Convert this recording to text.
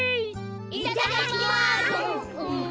いただきます！